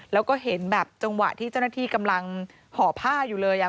แล้วก็เห็นแบบจังหวะที่เจ้าหน้าที่กำลังห่อผ้าอยู่เลย